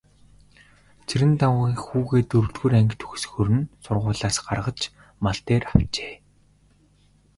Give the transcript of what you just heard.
Цэрэндагвынх хүүгээ дөрөвдүгээр анги төгсөхөөр нь сургуулиас гаргаж мал дээр авчээ.